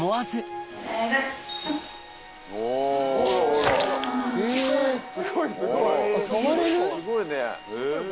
すごいね。